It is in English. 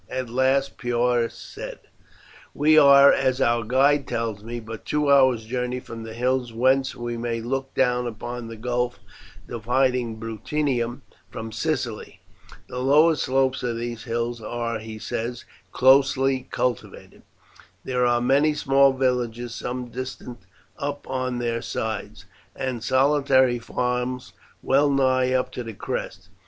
At last Porus said: "We are, as our guide tells me, but two hours' journey from the hills whence we may look down upon the gulf dividing Bruttium from Sicily. The lower slopes of these hills are, he says, closely cultivated. There are many small villages some distance up on their sides, and solitary farms well nigh up to the crest.